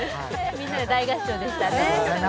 みんなで大合唱でしたね。